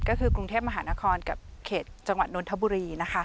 ก็คือกรุงเทพมหานครกับเขตจังหวัดนนทบุรีนะคะ